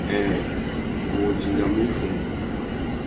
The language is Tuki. Nhêê... ngu wô dingamú iffundu.